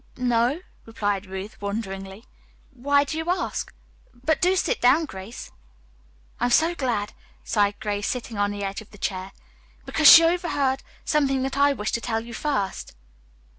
"No," replied Ruth wonderingly. "Why do you ask? But do sit down, Grace." "I'm so glad," sighed Grace, sitting on the edge of the chair, "because she overheard something that I wish to tell you first."